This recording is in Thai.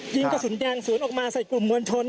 ยิงกระสุนแดงสวนออกมาใส่กลุ่มมวลชน